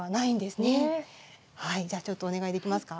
はいじゃあちょっとお願いできますか？